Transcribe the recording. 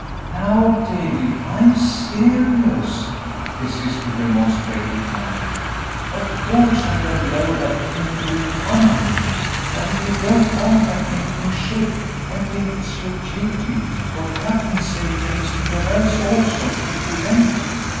"Now, David, I'm serious," his sister remonstrated, mildly. "Of course, I don't know that anything will come of it; but if you don't want that anything should, I think it's your duty, for Katherine's sake and Mr. Darrell's also, to prevent it.